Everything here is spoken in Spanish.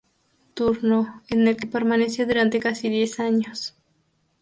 Turno, en el que permaneció durante casi diez años.